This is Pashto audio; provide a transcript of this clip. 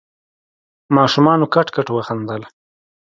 ماشومانو کټ کټ وخندل.